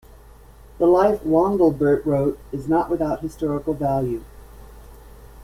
The life Wandelbert wrote is not without historical value.